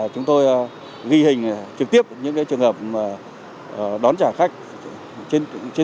câu trả lời như sau